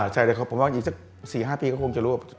ใช่ค่ะผมว่าอีกสัก๔๕ปีก็คงจะรู้ว่า